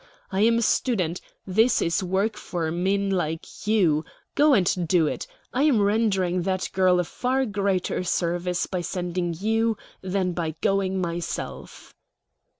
I am a student. This is work for men like you. Go and do it. I am rendering that girl a far greater service by sending you than by going myself."